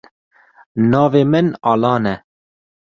Navê min Alan e.